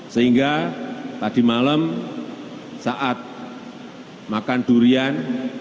sehingga tadi malam saat makan durian